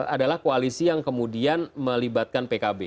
adalah koalisi yang kemudian melibatkan pkb